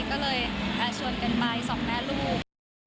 ก็เลยชวนกันไปสองแม่ลูก